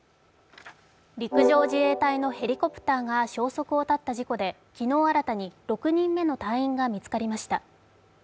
陸上自衛隊のヘリコプターが消息を絶った事故で昨日新たに６人目の隊員が見つかりました。